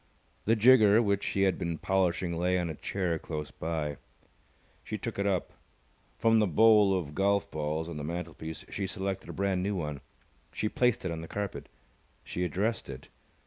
The jigger which he had been polishing lay on a chair close by. She took it up. From the bowl of golf balls on the mantelpiece she selected a brand new one. She placed it on the carpet. She addressed it.